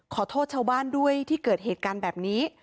ขอโทษชาวที่เกิดเหตุการณ์แบบนี้